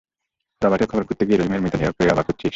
রবার্টের কবর খুঁড়তে গিয়ে রহিমের মরদেহ পেয়ে অবাক হয়েছিস?